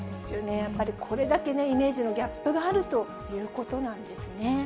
やっぱりこれだけイメージのギャップがあるということなんですね。